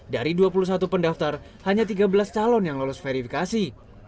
dari dua puluh satu pendaftar hanya tiga belas calon yang lolos verifikasi